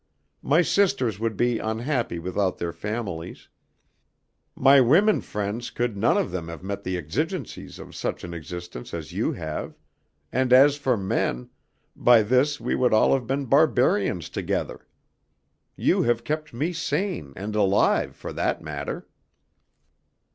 My sisters would be unhappy without their families; my women friends could none of them have met the exigencies of such an existence as you have; and as for men, by this we would all have been barbarians together. You have kept me sane and alive, for that matter."